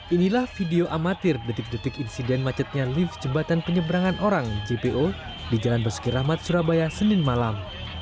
inilah video amatir detik detik insiden macetnya lift jembatan penyeberangan orang jpo di jalan besuki rahmat surabaya senin malam